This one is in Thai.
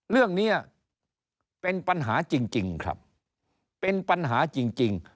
เรื่องนี้เป็นปัญหาจริงครับเป็นปัญหาจริง